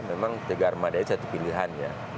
memang tiga armada itu satu pilihan ya